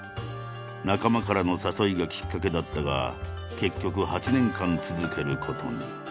仲間からの誘いがきっかけだったが結局８年間続けることに。